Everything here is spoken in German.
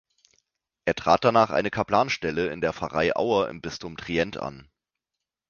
Er trat danach eine Kaplanstelle in der Pfarrei Auer im Bistum Trient an.